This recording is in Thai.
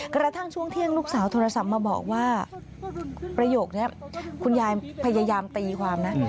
กระทั่งช่วงเที่ยงลูกสาวโทรศัพท์มาบอกว่าประโยคนี้คุณยายพยายามตีความนะ